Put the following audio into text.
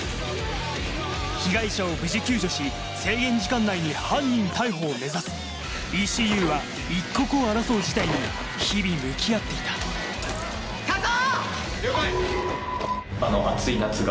被害者を無事救助し制限時間内に犯人逮捕を目指すＥＣＵは一刻を争う事態に日々向き合っていた確保！